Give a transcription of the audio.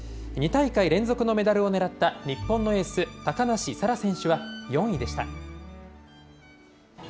２大会連続のメダルを狙った日本のエース、高梨沙羅選手は４位でした。